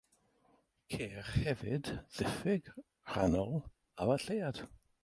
Ceir hefyd ddiffyg rhannol ar y lleuad.